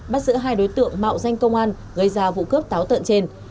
bắt giữa hai đối tượng mạo danh công an gây ra vụ cướp táo tận trên